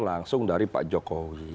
langsung dari pak jokowi